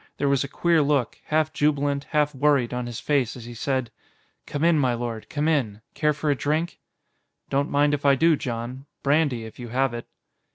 There was a queer look half jubilant, half worried on his face as he said: "Come in, my lord, come in. Care for a drink?" "Don't mind if I do, Jon. Brandy, if you have it."